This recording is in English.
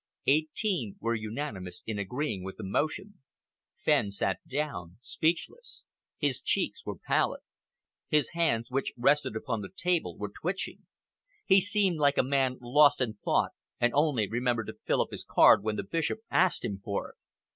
Eighteen were unanimous in agreeing with the motion. Fenn sat down, speechless. His cheeks were pallid. His hands, which rested upon the table, were twitching. He seemed like a man lost in thought and only remembered to fill up his card when the Bishop asked him for it.